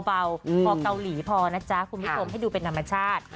พอเกาหลีพอนะจ๊ะคุณผู้ชมให้ดูเป็นธรรมชาติ